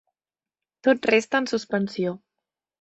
Tot resta en suspensió.